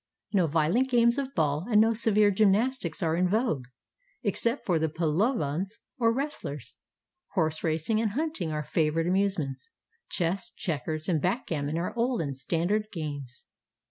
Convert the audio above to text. No \iolent games of ball and no severe gymnas tics are in vogue, except for the pchlavans or wrestlers. Horse racing and hunting are favorite amusements; chess, checkers, and backgammon are old and standard games.